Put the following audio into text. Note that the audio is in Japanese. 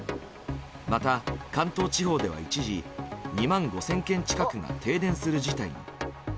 また、関東地方では一時２万５０００軒近くが停電する事態に。